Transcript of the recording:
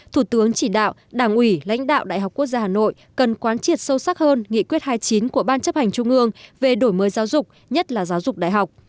thủ tướng chỉ đạo đảng ủy lãnh đạo đại học quốc gia hà nội cần quán triệt sâu sắc hơn nghị quyết hai mươi chín của ban chấp hành trung ương về đổi mới giáo dục nhất là giáo dục đại học